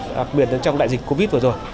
đặc biệt là trong đại dịch covid vừa rồi